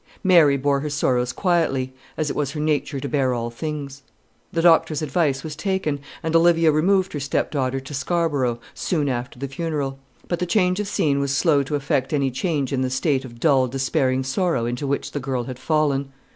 Mary bore her sorrows quietly, as it was her nature to bear all things. The doctor's advice was taken, and Olivia removed her stepdaughter to Scarborough soon after the funeral. But the change of scene was slow to effect any change in the state of dull despairing sorrow into which the girl had fallen.